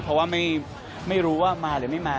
เพราะว่าไม่รู้ว่ามาหรือไม่มา